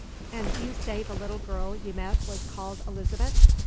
And you say the little girl you met was called Elizabeth?